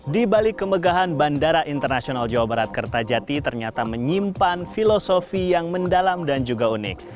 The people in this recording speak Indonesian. di balik kemegahan bandara internasional jawa barat kertajati ternyata menyimpan filosofi yang mendalam dan juga unik